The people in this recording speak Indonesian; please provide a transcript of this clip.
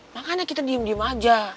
makanya kita diem diem aja